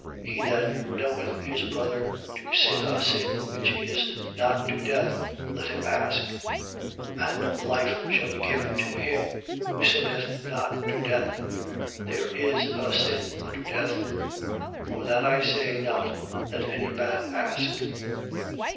5:16. He that knoweth his brother to sin a sin which is not to death, let him ask: and life shall be given to him who sinneth not to death. There is a sin unto death. For that I say not that any man ask.